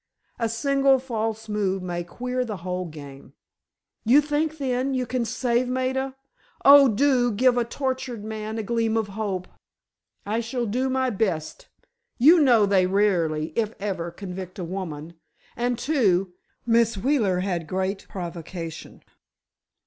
A single false move may queer the whole game." "You think, then, you can save Maida—oh, do give a tortured father a gleam of hope!" "I shall do my best. You know they rarely, if ever, convict a woman—and, too, Miss Wheeler had great provocation.